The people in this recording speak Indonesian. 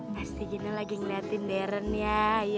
pasti gini lagi ngeliatin deren ya